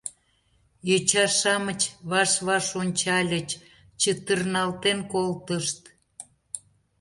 Йоча-шамыч ваш-ваш ончальыч, чытырналтен колтышт...